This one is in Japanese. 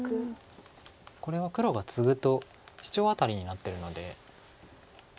これは黒がツグとシチョウアタリになってるので。